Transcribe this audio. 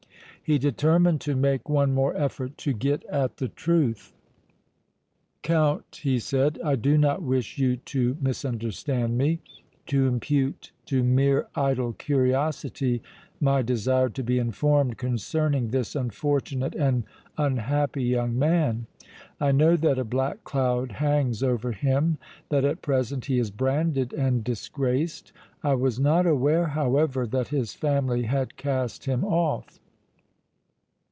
He determined to make one more effort to get at the truth. "Count," he said, "I do not wish you to misunderstand me, to impute to mere idle curiosity my desire to be informed concerning this unfortunate and unhappy young man. I know that a black cloud hangs over him, that at present he is branded and disgraced. I was not aware, however, that his family had cast him off."